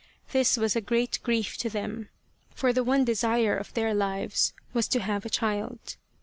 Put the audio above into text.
This was a great grief to them, for the one desire of their lives was to have a child.